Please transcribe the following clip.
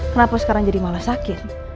kenapa sekarang jadi malah sakit